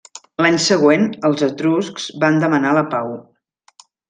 L'any següent els etruscs van demanar la pau.